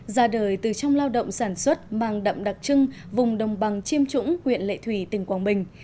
ra đời từ trong lao động sản xuất mang đậm đặc trưng vùng đồng bằng chiêm trũng huyện lệ thủy tỉnh quảng bình